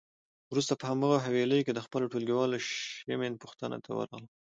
وروسته په هماغه حویلی کې د خپل ټولګیوال شېمن پوښتنه ته ورغلم.